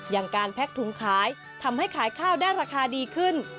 อย่างการแพ็กถุงขายทำให้ขายข้าวได้ราคาดีขึ้น